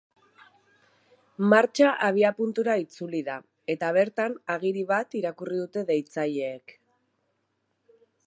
Martxa abiapuntura itzuli da, eta bertan agiri bat irakurri dute deitzaileek.